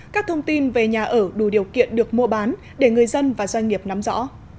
các thông tin về nhà ở đủ điều kiện được mua bán để người dân và doanh nghiệp nắm rõ